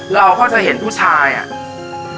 เราก็จะเห็นผู้ชายอ่ะ